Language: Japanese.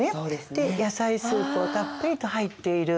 で野菜スープはたっぷりと入っている。